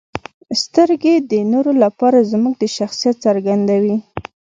• سترګې د نورو لپاره زموږ د شخصیت څرګندوي.